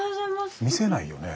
見せないよね。